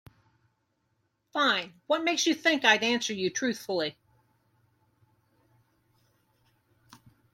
Fine, what makes you think I'd answer you truthfully?